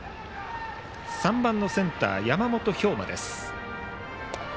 打者は３番センター、山本彪真です。